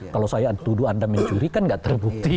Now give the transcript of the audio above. kalau saya dituduh anda mencurikan tidak terbukti